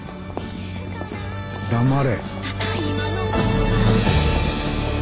黙れ。